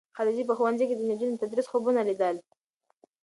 خدیجې په ښوونځي کې د نجونو د تدریس خوبونه لیدل.